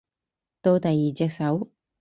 到第二隻手